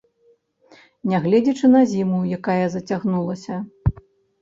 Нягледзячы на зіму, якая зацягнулася.